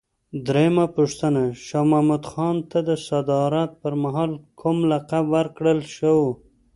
درېمه پوښتنه: شاه محمود خان ته د صدارت پر مهال کوم لقب ورکړل شو؟